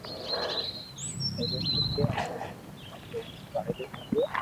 آوي ھگي ھين امو ني اي رو فائدو ملئي